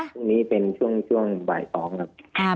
พรุ่งนี้เป็นช่วงบ่าย๒ครับ